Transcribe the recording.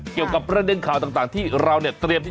เกี่ยวกับเรื่องข่าวต่างที่เราเนี่ย